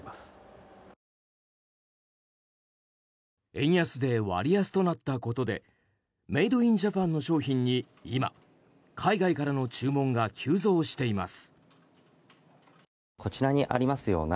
円安で割安となったことでメイド・イン・ジャパンの商品に今、海外からの注文が急増しています。